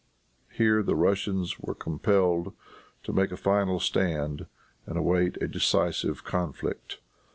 Here the Russians were compelled to make a final stand and await a decisive conflict.